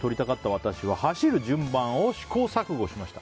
私は走る順番を試行錯誤しました。